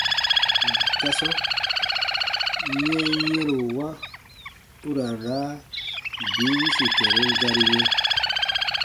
Gasɔ yɛnyɛ̃rowa u ra n raa bin yĩsi kɛ̃run gari yɛ̃.